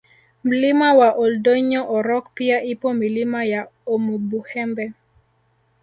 Mlima wa Oldoinyo Orok pia ipo Milima ya Omubuhembe